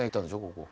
ここ。